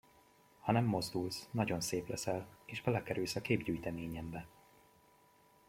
Ha nem mozdulsz, nagyon szép leszel, és belekerülsz a képgyűjteményembe.